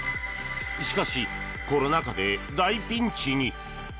しかし、コロナ禍で大ピンチに！